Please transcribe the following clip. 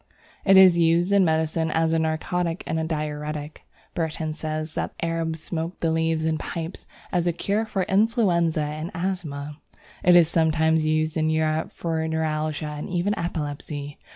It is used in medicine as a narcotic and diuretic. Burton says that the Arabs smoke the leaves in pipes as a cure for influenza and asthma. It is sometimes used in Europe for neuralgia and even epilepsy.